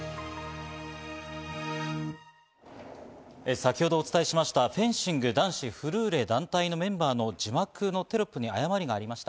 先ほどお伝えしました男子フェンシングフルーレの字幕のテロップに誤りがありました。